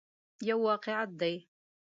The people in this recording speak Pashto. یو واقعیت دی.